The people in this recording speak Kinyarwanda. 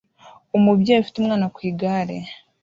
Umubyeyi ufite umwana ku igare